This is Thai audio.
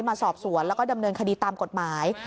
มาสอบสวนแล้วก็ดำเนินคดีตามกฎหมาย